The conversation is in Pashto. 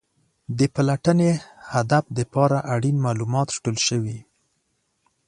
د پلټنې هدف لپاره اړین معلومات راټول شوي.